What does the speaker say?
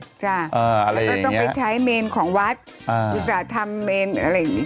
เราต้องไปใช้เมลของวัดอุตส่าห์ทำเมลอะไรอย่างนี้ค่ะ